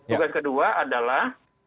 tugas kedua adalah